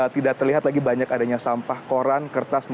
tidak terlihat lagi banyak adanya sampah koran kertas